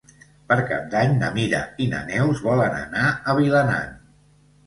Per Cap d'Any na Mira i na Neus volen anar a Vilanant.